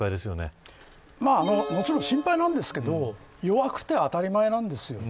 もちろん心配なんですけど弱くて当たり前なんですよ。